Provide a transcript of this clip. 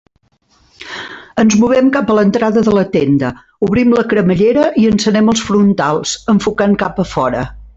Ens movem cap a l'entrada de la tenda, obrim la cremallera i encenem els frontals, enfocant cap a fora.